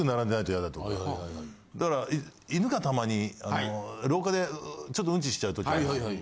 だから犬がたまに廊下でちょっとうんちしちゃうときあって。